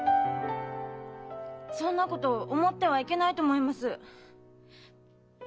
そんなこと思ってはいけないと思います。